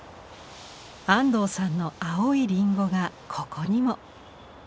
安藤さんの「青いりんご」がここにも。